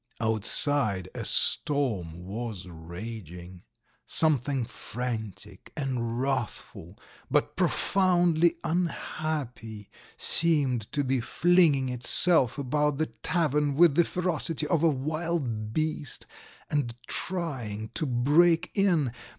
... Outside a storm was raging. Something frantic and wrathful, but profoundly unhappy, seemed to be flinging itself about the tavern with the ferocity of a wild beast and trying to break in.